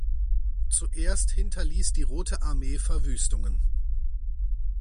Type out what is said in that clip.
Zuerst hinterließ die Rote Armee Verwüstungen.